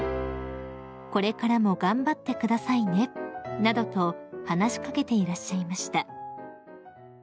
「これからも頑張ってくださいね」などと話し掛けていらっしゃいました］